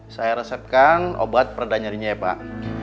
saya resepkan obat perda nyarinya ya pak